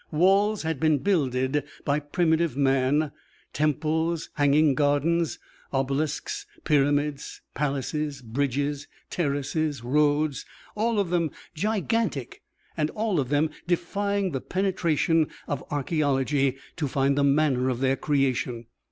Walls had been builded by primitive man, temples, hanging gardens, obelisks, pyramids, palaces, bridges, terraces, roads all of them gigantic and all of them defying the penetration of archæology to find the manner of their creation.